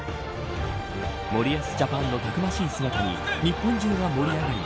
森保ジャパンのたくましい姿に日本中が盛り上がり